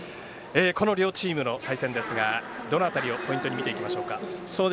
この両チームの対戦ですがどの辺りをポイントに見ていきましょうか。